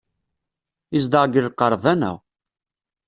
Yezdeɣ deg lqerban-a.